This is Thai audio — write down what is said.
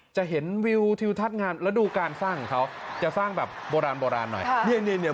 จะเห็นวิวทิวทัศน์งานแล้วดูการสร้างของเขาจะสร้างแบบโบราณโบราณหน่อย